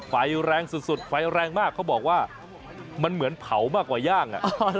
ไฟแรงสุดไฟแรงมากเขาบอกว่ามันเหมือนเผามากกว่าย่าง